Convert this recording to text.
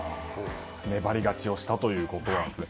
粘り勝ちをしたということなんですね。